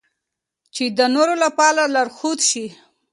چې د نورو لپاره لارښود شي.